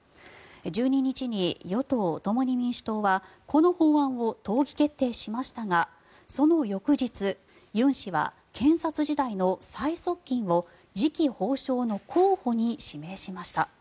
１２日に与党・共に民主党はこの法案を党議決定しましたがその翌日、尹氏は検察時代の最側近を次期法相の候補に指名しました。